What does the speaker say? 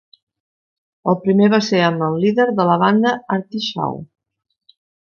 El primer va ser amb el líder de la banda Artie Shaw.